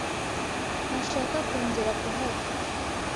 Ntashaka kongera kuhaba.